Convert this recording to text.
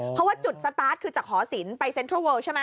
เพราะว่าจุดสตาร์ทคือจากหอศิลปไปเซ็นทรัลเวิลใช่ไหม